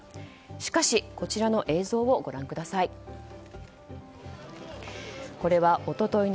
しかし、こちらの映像をご覧ください。